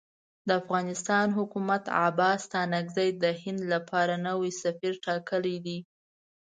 د افغانستان حکومت عباس ستانکزی د هند لپاره نوی سفیر ټاکلی دی.